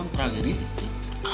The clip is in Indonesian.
bang breng atuh dulu brother